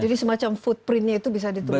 jadi semacam footprintnya itu bisa ditelusuri